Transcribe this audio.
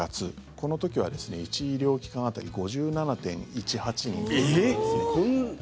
この時は、１医療機関当たり５７．１８人だったんですね。